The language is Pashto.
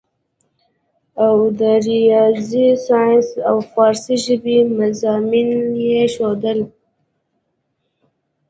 او د رياضي سائنس او فارسي ژبې مضامين ئې ښودل